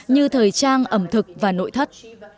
như thời trang ẩm thực và nội thất